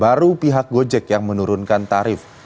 baru pihak gojek yang menurunkan tarif